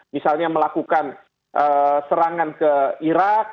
misalnya melakukan serangan ke irak